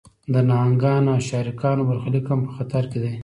د نهنګانو او شارکانو برخلیک هم په خطر کې دی.